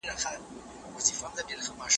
هیڅوک باید د بل په حق تېری ونه کړي.